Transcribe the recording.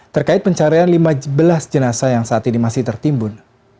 terkait pencarian lima belas jenazah yang saat ini masih tertimbun